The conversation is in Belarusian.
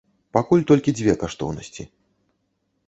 Пакуль толькі дзве каштоўнасці.